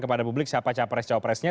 kepada publik siapa capres capresnya